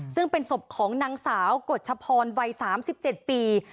ซึ่งเป็นศพของนางสาวกฎชพรวัย๓๗ปี